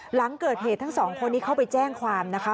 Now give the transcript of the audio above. หลังเกิดเหตุทั้งสองคนนี้เข้าไปแจ้งความนะคะ